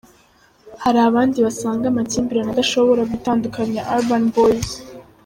Hari abandi basanga amakimbirane adashobora gutandukanya Urba Boys.